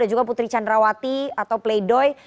dan juga putri candrawati atau playdoi